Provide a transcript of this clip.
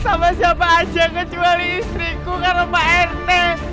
sama siapa aja kecuali istriku karena pak rt